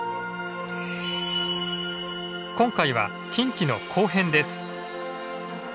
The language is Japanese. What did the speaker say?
今回は近畿の後編です。